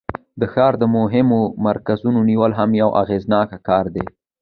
د ښار د مهم مرکز نیول هم یو اغیزناک کار دی.